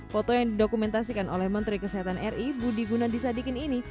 foto yang didokumentasikan oleh menteri kesehatan ri budi gunadisadikin ini